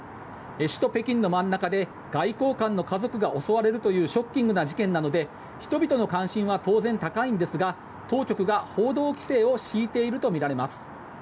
首都・北京の真ん中で外交官の家族が襲われるというショッキングな事件なので人々の関心は当然高いんですが当局が報道規制を敷いているとみられます。